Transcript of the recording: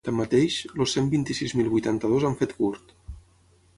Tanmateix, els cent vint-i-sis mil vuitanta-dos han fet curt.